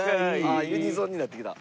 ユニゾンになってきた。